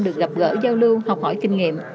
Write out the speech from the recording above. được gặp gỡ giao lưu học hỏi kinh nghiệm